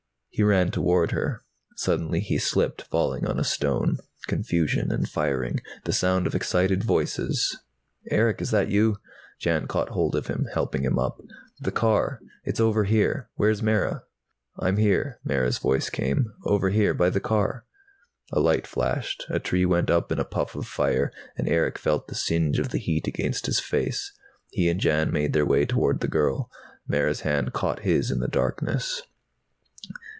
He ran toward her. Suddenly he slipped, falling on a stone. Confusion and firing. The sound of excited voices. "Erick, is that you?" Jan caught hold of him, helping him up. "The car. It's over here. Where's Mara?" "I'm here," Mara's voice came. "Over here, by the car." A light flashed. A tree went up in a puff of fire, and Erick felt the singe of the heat against his face. He and Jan made their way toward the girl. Mara's hand caught his in the darkness.